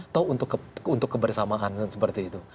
atau untuk kebersamaan seperti itu